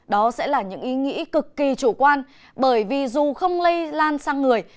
đó sẽ là những ý nghĩ cực kỳ chủ quan bởi vì dù không lây lan sang người